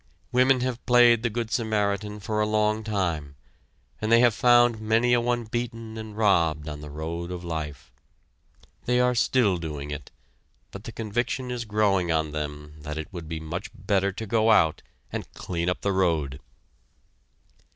Women have played the good Samaritan for a long time, and they have found many a one beaten and robbed on the road of life. They are still doing it, but the conviction is growing on them that it would be much better to go out and clean up the road!